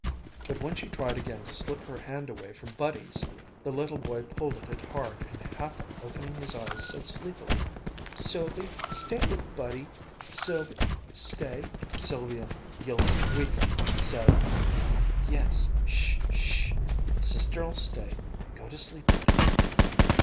But when she tried again to slip her hand away from Buddy's the little boy pulled at it hard, and half opening his eyes, said sleepily, "Sylvie stay with Buddy Sylvie stay " Sylvia yielded weakly, said: "Yes sh! sh! Sister'll stay. Go to sleep, Buddy."